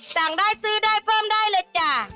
สั่งได้ซื้อได้เพิ่มได้เลยจ้ะ